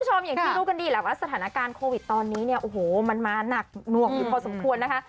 พ่อชมที่รู้กันดีแหละว่าสถานการณ์โควิดตอนนี้มานักหนวกอยู่พอสมควรนะคะ